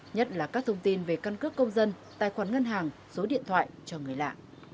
nhất là các thông tin về căn cước công dân tài khoản ngân hàng số điện thoại cho người lạ